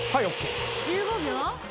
１５秒？